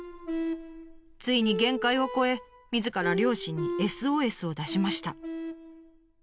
ついに限界を超えみずから両親にＳＯＳを出しました。